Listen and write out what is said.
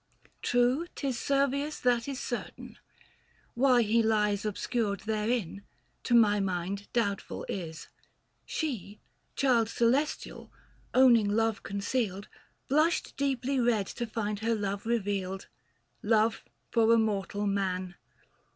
True, 'Tis Servius, that is certain ; why he lies Obscured therein, to my mind doubtful is. She, child celestial, owning love concealed, 690 Blushed deeply red to find her love revealed — Love for a mortal man